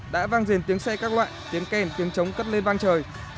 đã vang rền tiếng xe các loại tiếng kèn tiếng trống cất lên vang trời